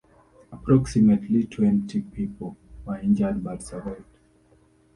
Approximately twenty people were injured, but survived.